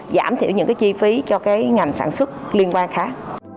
giảm thiểu những chi phí cho ngành sản xuất liên quan khác